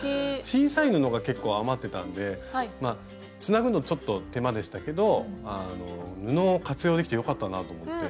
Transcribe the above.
小さい布が結構余ってたんでつなぐのちょっと手間でしたけど布を活用できてよかったなあと思って。